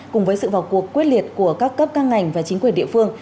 cùng với sự vào cuộc quyết liệt của các cấp các ngành và chính quyền địa phương